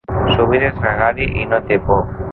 Sovint és gregari i no té por.